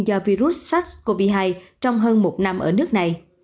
do virus sars cov hai trong hơn một năm ở nước này